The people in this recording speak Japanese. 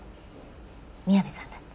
宮部さんだって。